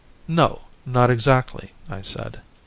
"No, not exactly," I said.